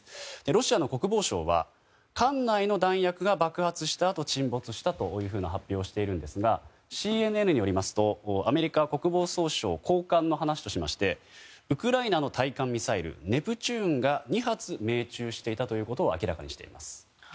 ロシアの国防省は艦内の弾薬が爆発したあと沈没したという発表をしているんですがＣＮＮによりますとアメリカ国防総省高官の話としましてウクライナの対艦ミサイルネプチューンが２発命中していたことを明らかにしています。